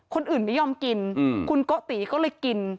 คนอื่นไม่ยอมกินคุณโกติก็เลยกิน